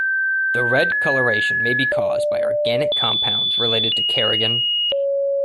The red coloration may be caused by organic compounds related to kerogen.